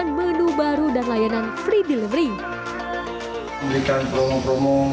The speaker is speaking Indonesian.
my media content is und sushi master maju alihong dimu départ fok elbow cakram cho say yun yun yong kong tay nye dayong hyai